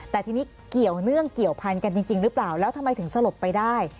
แต่ทีนี้เกี่ยวเนื่องเกี่ยวพันกันจริงหรือเปล่าแล้วทำไมถึงสลบไปได้